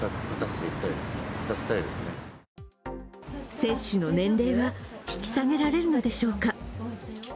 接種の年齢は引き下げられるのでしょうか。